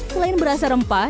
selain berasa rempah